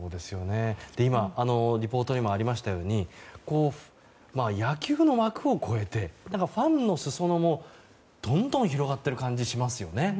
今、リポートにもありましたように野球の枠を超えてファンの裾野もどんどん広がっている感じがしますよね。